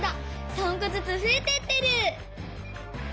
３こずつふえてってる！